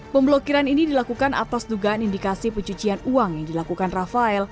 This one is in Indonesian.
pemblokiran ini dilakukan atas dugaan indikasi pencucian uang yang dilakukan rafael